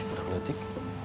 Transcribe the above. eh berapa locik